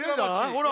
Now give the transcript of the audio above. ほら。